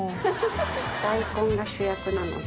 大根が主役なので。